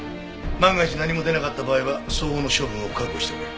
万が一何も出なかった場合は相応の処分を覚悟しておけ。